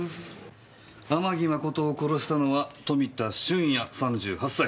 天城真を殺したのは富田俊也３８歳。